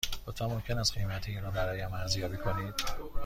لطفاً ممکن است قیمت این را برای من ارزیابی کنید؟